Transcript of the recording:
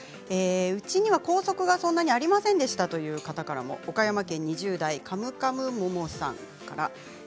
うちには校則がそんなにありませんでしたという方から岡山県２０代の方です。